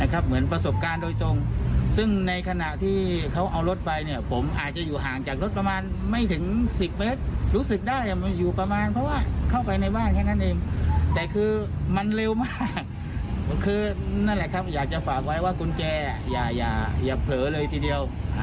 คือนั่นแหละครับอยากจะฝากไว้ว่ากุญแจอย่าเผลอเลยทีเดียว